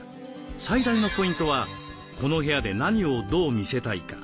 最大のポイントはこの部屋で何をどう見せたいか。